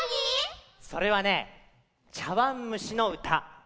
それはね「ちゃわんむしのうた」。